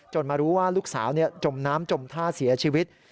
มารู้ว่าลูกสาวจมน้ำจมท่าเสียชีวิต